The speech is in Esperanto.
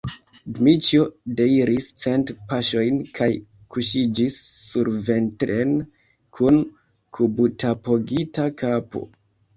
Dmiĉjo deiris cent paŝojn kaj kuŝiĝis surventren kun kubutapogita kapo.